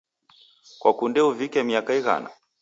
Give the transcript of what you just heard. Kwakunde uvike miaka ighana?